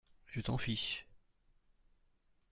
Je t’en fiche !